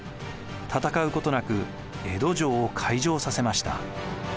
戦うことなく江戸城を開城させました。